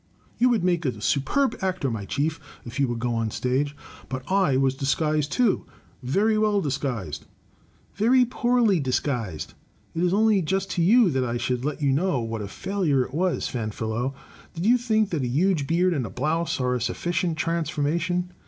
You would make a superb actor, my chief, if you would go on the stage; but I was disguised too — very well dis guised.*' "Very poorly disguised: it is only just to you that I should let you know what a failure it was, Fanferlot. Do you think that a huge beard and a blouse are a sttfficient transformation?